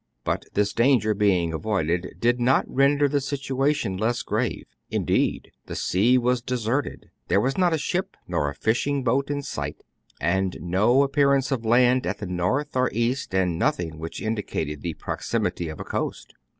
But this danger being avoided did not render the situation less grave. Indeed, the sea was de serted : there was not a ship nor a fishing boat in sight, and no appearance of land at the north or east, and nothing which indicated the proximity of a coast.